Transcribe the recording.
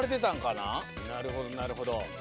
なるほどなるほど。